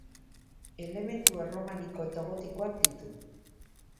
Elementu erromaniko eta gotikoak ditu.